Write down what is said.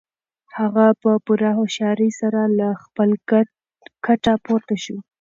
هغه په پوره هوښیارۍ سره له خپل کټه پورته شو.